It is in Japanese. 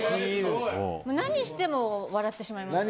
何しても笑ってしまいます。